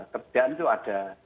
ketersediaan itu ada